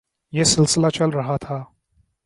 یہ سلسلہ چل رہا تھا۔